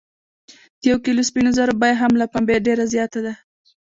د یو کیلو سپینو زرو بیه هم له پنبې ډیره زیاته ده.